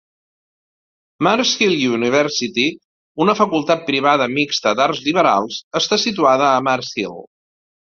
Mars Hill University, una facultat privada mixta d"arts liberals, està situada a Mars Hill.